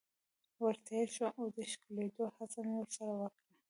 ور تیر شوم او د ښکلېدلو هڅه مې ورسره وکړه.